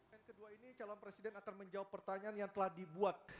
dan kedua ini calon presiden akan menjawab pertanyaan yang telah dibuat